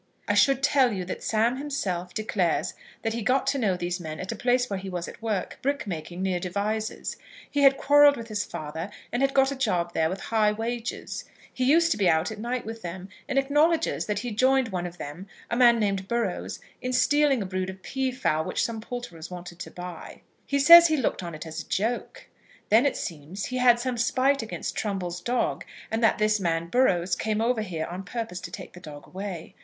I should tell you that Sam himself declares that he got to know these men at a place where he was at work, brickmaking, near Devizes. He had quarrelled with his father, and had got a job there, with high wages. He used to be out at night with them, and acknowledges that he joined one of them, a man named Burrows, in stealing a brood of pea fowl which some poulterers wanted to buy. He says he looked on it as a joke. Then it seems he had some spite against Trumbull's dog, and that this man, Burrows, came over here on purpose to take the dog away.